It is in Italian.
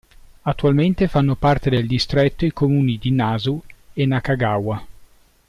Attualmente fanno parte del distretto i comuni di Nasu e Nakagawa.